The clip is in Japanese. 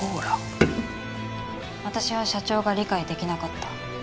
私は社長が理解できなかった。